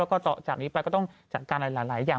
แล้วก็ต่อจากนี้ไปก็ต้องจัดการอะไรหลายอย่าง